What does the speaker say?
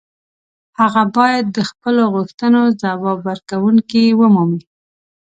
هغه باید د خپلو غوښتنو ځواب ورکوونکې ومومي.